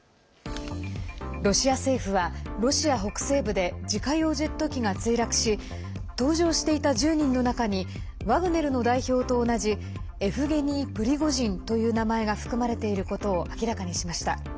ロシア政府はロシア北西部で自家用ジェット機が墜落し搭乗していた１０人の中にワグネルの代表と同じエフゲニー・プリゴジンという名前が含まれていることを明らかにしました。